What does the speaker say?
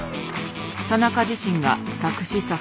田中自身が作詞・作曲。